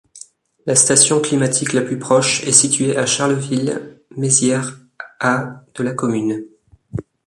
La station climatique la plus proche est située à Charleville-Mézières à de la commune.